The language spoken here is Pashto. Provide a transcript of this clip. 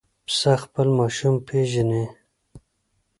پسه خپل ماشوم پېژني.